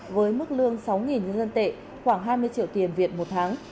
với mức lương sáu nhân dân tệ khoảng hai mươi triệu tiền viện một tháng